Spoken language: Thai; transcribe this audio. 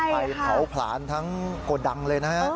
ไฟเผาผลาญทั้งโกดังเลยนะฮะ